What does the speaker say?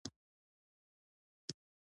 اتلولي مو مبارک شه